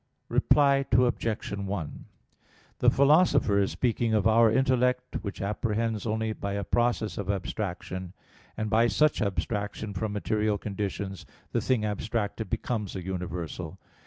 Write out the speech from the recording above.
Reply Obj. 1: The Philosopher is speaking of our intellect, which apprehends only by a process of abstraction; and by such abstraction from material conditions the thing abstracted becomes a universal.